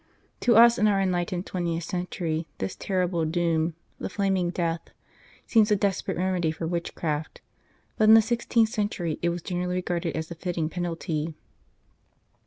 To us in our enlightened twentieth century this terrible doom the flaming death seems a des 216 The Only Way perate remedy for witchcraft, but in the sixteenth century it was generally regarded as a fitting penalty.